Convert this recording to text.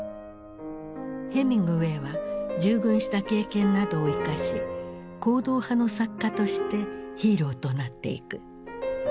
ヘミングウェイは従軍した経験などを生かし行動派の作家としてヒーローとなっていく。